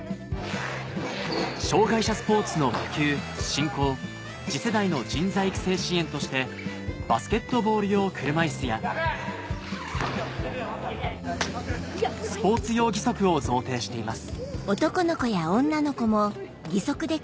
障がい者スポーツの普及振興次世代の人材育成支援としてバスケットボール用車いすやスポーツ用義足を贈呈しています